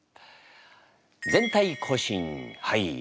全隊行進はい。